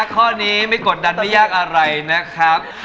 ข้อนี้ไม่กดดันไม่ยากอะไรนะครับ